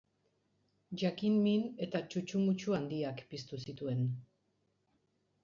Jakin-min eta txutxumutxu handiak piztu zituen.